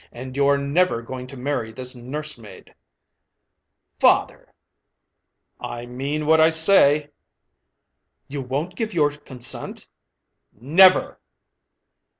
And you're never going to marry this nursemaid." "Father!" "I mean what I say." "You won't give your consent?" "Never!"